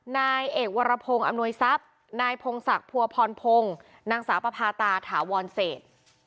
นายเอกวรพงศ์อำนวยทรัพย์นายพงศักดิ์พัวพรพงศ์นางสาวปภาตาถาวรเศษ